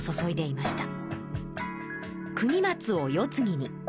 「国松を世つぎに」。